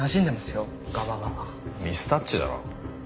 ミスタッチだろ。